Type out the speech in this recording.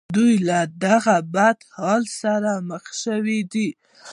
دوی له دغه بد حالت سره مخ شوي دي